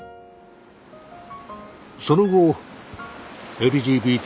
その後ＬＧＢＴ